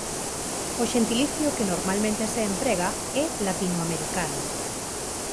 O xentilicio que normalmente se emprega é "latinoamericano".